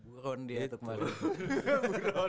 buron dia tuh kemarin